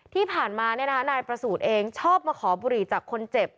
ที่ผ่านมานายประสูจน์เองชอบมาขอบุหรี่จากคนเจ็บ